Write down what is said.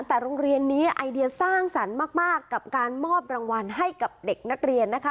แต่โรงเรียนนี้ไอเดียสร้างสรรค์มากกับการมอบรางวัลให้กับเด็กนักเรียนนะคะ